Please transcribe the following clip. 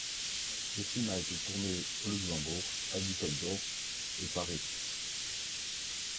Le film a été tourné au Luxembourg, à Düsseldorf et Paris.